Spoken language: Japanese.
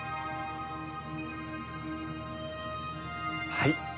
はい。